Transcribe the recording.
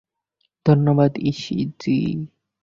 ধন্যবাদ, ইযি।